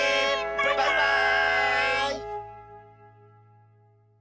バイバーイ！